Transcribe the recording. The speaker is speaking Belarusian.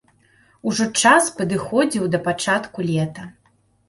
Ужо час падыходзіў да пачатку лета.